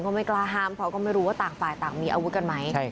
หลายคนบางคนก็ไม่กล้าห้ามเพราะไม่รู้ว่าต่างฝ่ายต่างมีอาวุธกันไหม